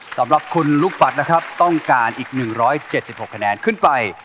สำหรับคุณลูกบัตรนะครับต้องการอีกหนึ่งร้อยเจ็ดสิบหกคะแนนขึ้นไป